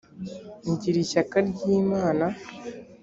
ngira ishyaka ry’imana